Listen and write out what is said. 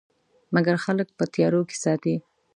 مګر خلک په تیارو کې ساتي.